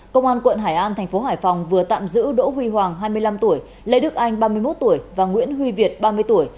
công an quận hải an thành phố hải phòng vừa tạm giữ đỗ huy hoàng hai mươi năm tuổi lê đức anh ba mươi một tuổi và nguyễn huy việt ba mươi tuổi